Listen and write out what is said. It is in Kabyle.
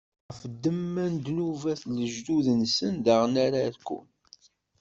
Ɣef ddemma n ddnubat n lejdud-nsen daɣen ara rkun.